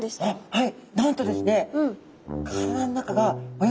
はい。